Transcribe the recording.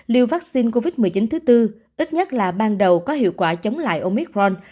liều vaccine covid một mươi chín thứ tư ít nhất là ban đầu có hiệu quả chống lại omicron